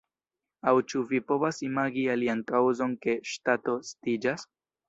Aŭ ĉu vi povas imagi alian kaŭzon ke ŝtato estiĝas?